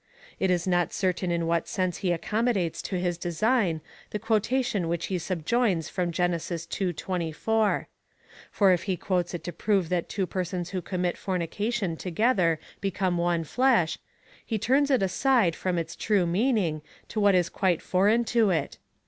It is not certain in what sense he ac commodates to his design the quotation which he subjoins from Gen. ii. 24. For if he quotes it to prove that two per sons who commit fornication together become one flesh, he turns it aside from its true meaning to what is quite foreign to it.